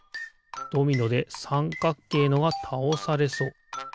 ドミノでさんかっけいのがたおされそう。